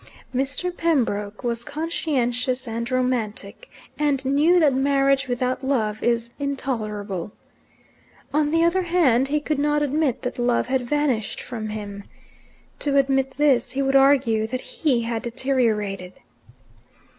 Mr. Pembroke was conscientious and romantic, and knew that marriage without love is intolerable. On the other hand, he could not admit that love had vanished from him. To admit this, would argue that he had deteriorated.